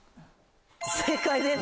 正解です！